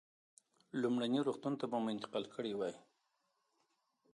لومړني روغتون ته به مو انتقال کړی وای.